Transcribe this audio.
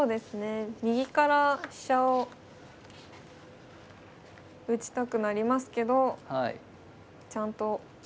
右から飛車を打ちたくなりますけどちゃんと。